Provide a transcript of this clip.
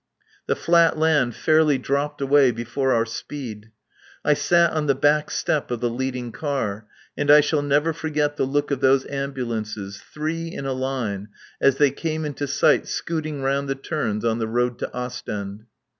The flat land fairly dropped away before our speed. I sat on the back step of the leading car, and I shall never forget the look of those ambulances, three in a line, as they came into sight scooting round the turns on the road to Ostend.